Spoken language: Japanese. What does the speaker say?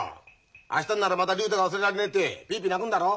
明日になりゃまた竜太が忘れられねえってピーピー泣くんだろ？